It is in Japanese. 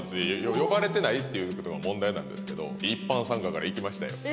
呼ばれてないっていうことが問題なんですけど一般参加から行きましたよえ